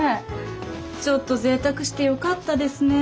ちょっと贅沢してよかったですね。